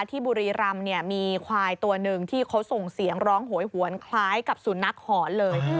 บุรีรำเนี่ยมีควายตัวหนึ่งที่เขาส่งเสียงร้องโหยหวนคล้ายกับสุนัขหอนเลย